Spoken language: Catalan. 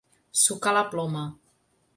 Sucar la ploma.